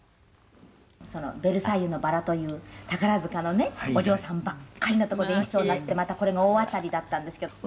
「その『ベルサイユのばら』という宝塚のねお嬢さんばっかりのとこで演出をなすってまたこれが大当たりだったんですけど」